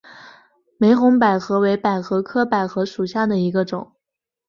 玫红百合为百合科百合属下的一个种。